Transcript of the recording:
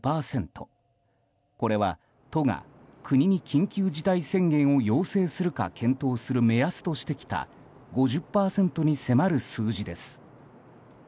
これは、都が国に緊急事態宣言を要請するか検討する目安としてきた５０％に迫る数字です。